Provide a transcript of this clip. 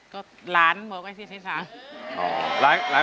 ก็หลานดูไงที่สาม